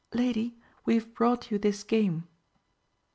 Lady, we have brought you this game.